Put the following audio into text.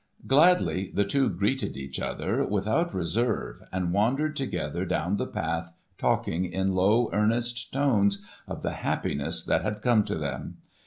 Gladly the two greeted each other, without reserve, and wandered together down the path talking in low earnest tones of the happiness that had come to them.